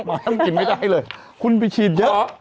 หมาตำกลิ่นไม่ได้เลยคุณไปฉีดเยอะ